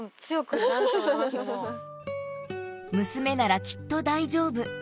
「娘ならきっと大丈夫」